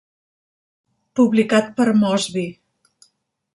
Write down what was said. Publicat per Mosby.